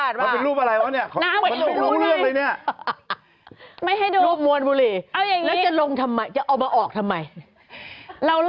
คือ